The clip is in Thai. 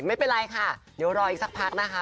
ไม่เป็นไรค่ะเดี๋ยวรออีกสักพักนะคะ